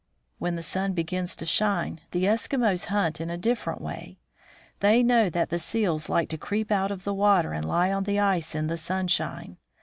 When the sun begins to shine, the Eskimos hunt in a different way. They know that the seals like to creep out of the water and lie on the ice in the sunshine.